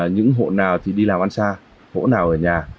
những hộ nào thì đi làm ăn xa hộ nào ở nhà